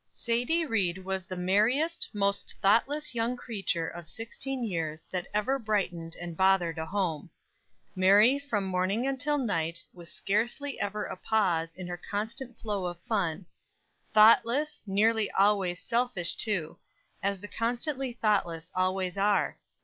Sadie Ried was the merriest, most thoughtless young creature of sixteen years that ever brightened and bothered a home. Merry from morning until night, with scarcely ever a pause in her constant flow of fun; thoughtless, nearly always selfish too, as the constantly thoughtless always are.